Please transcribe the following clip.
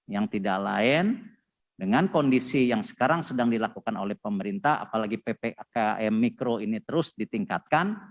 yang tidak lain dengan kondisi yang sekarang sedang dilakukan oleh pemerintah apalagi ppkm mikro ini terus ditingkatkan